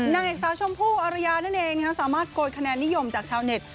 ในสาวชมพูอรรยานั่นเองนะคะสามารถโกรธคะแนนนิยมจากชาวเน็ต